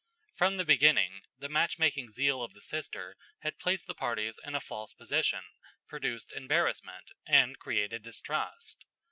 From the beginning, the match making zeal of the sister had placed the parties in a false position, produced embarrassment, and created distrust.